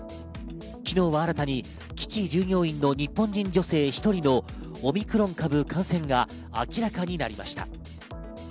昨日は新たに、基地従業員の日本人女性１人のオミクロン株感染が明らかになりました。